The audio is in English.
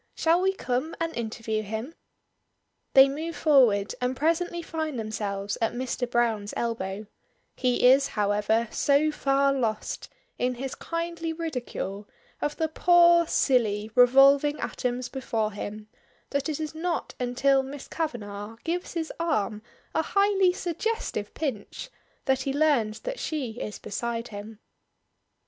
"Shall we come and interview him?" They move forward and presently find themselves at Mr. Browne's elbow; he is, however, so far lost in his kindly ridicule of the poor silly revolving atoms before him, that it is not until Miss Kavanagh gives his arm a highly suggestive pinch that he learns that she is beside him.